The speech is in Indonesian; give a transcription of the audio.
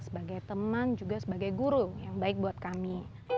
sebagai teman juga sebagai guru yang baik buat kami